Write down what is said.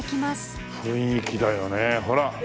雰囲気だよねほら。